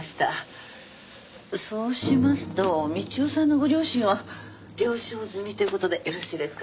そうしますと道夫さんのご両親は了承済みということでよろしいですか？